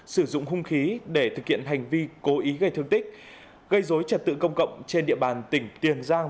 sử dụng hung khí để thực hiện hành vi cố ý gây thương tích gây dối trật tự công cộng trên địa bàn tỉnh tiền giang